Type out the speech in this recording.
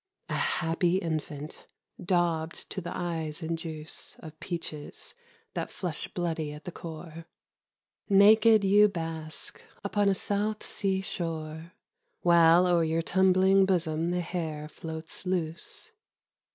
A happy infant, daubed to the eyes in juice Of peaches that flush bloody at the core, Naked you bask upon a south sea shore, While o'er your tumbling bosom the hair floats loose.